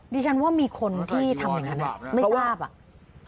ดิฉันว่ามีคนที่ทำอย่างนั้นไม่ทราบอ่ะ